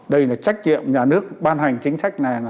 đây là trách nhiệm nhà nước ban hành chính sách này